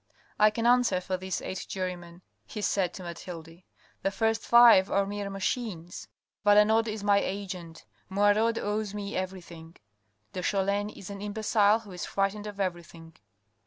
I can answer for these eight jurymen he said to Mathilde. The first five are mere machines, Valenod is my agent : Moirod owes me everything : de Cholin is an imbecile who is frightened of everything.